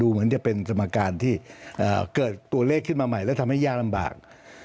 เหมือนจะเป็นสมการที่เกิดตัวเลขขึ้นมาใหม่แล้วทำให้ยากลำบาก